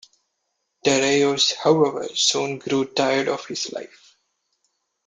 Dareios, however, soon grew tired of his life.